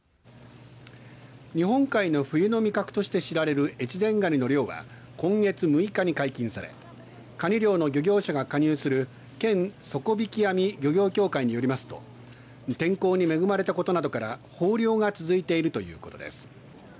日本海の冬の味覚として知られる越前がにの漁は今月６日に解禁されかに漁の漁業者が加入する県底曳網漁業協会によりますと天候に恵まれたことなどから豊漁が続いているということです。